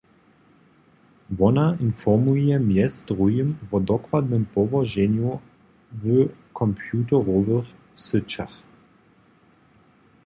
Wona informuje mjez druhim wo dokładnym połoženju w kompjuterowych syćach.